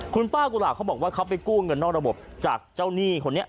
คุณป้ากุหลาบเขาบอกว่าเขาไปกู้เงินนอกระบบจากเจ้าหนี้คนนี้